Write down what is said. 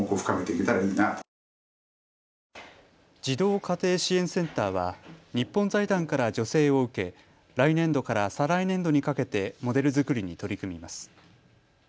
児童家庭支援センターは日本財団から助成を受け来年度から再来年度にかけてモデル作りに取り組みます。